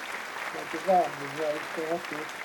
Mae dy fam yn wraig garedig.